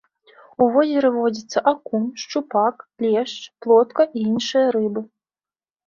У возеры водзяцца акунь, шчупак, лешч, плотка і іншыя рыбы.